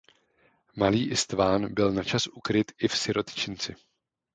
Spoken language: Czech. Malý István byl načas ukryt i v sirotčinci.